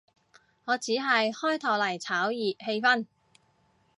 我只係開頭嚟炒熱氣氛